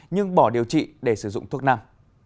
nhưng bỏ điều trị để sử dụng thuốc nam